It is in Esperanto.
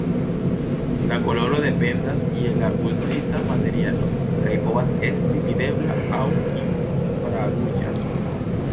La koloro dependas je la uzita materialo, kaj povas esti videbla aŭ infraruĝa.